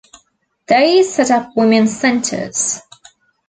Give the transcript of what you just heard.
They set up women's centres.